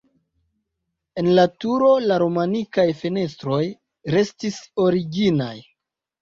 En la turo la romanikaj fenestroj restis originaj.